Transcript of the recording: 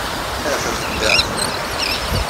A taxeddaɛt!